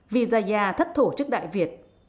vizaya thất thủ trước đại việt